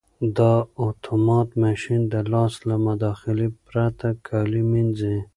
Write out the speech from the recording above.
دا اتومات ماشین د لاس له مداخلې پرته کالي مینځي.